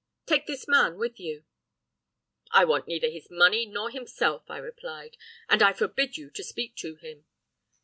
Take this man with you!' "'I want neither his money nor himself,' I replied, 'and I forbid you to speak to him.